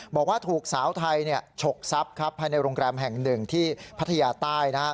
บอกว่าถูกสาวไทยฉกทรัพย์ภายในโรงแรมแห่งหนึ่งที่พัทยาใต้